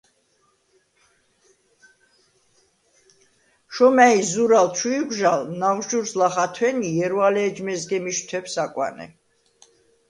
შომა̈ჲ, ზურალ ჩუ იღვჟალ, ნაღვჟურს ლახ ათვენი, ჲერვალე ეჯ მეზგემიშ თვეფს აკვანე.